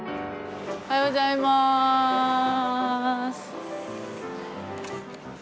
おはようございます。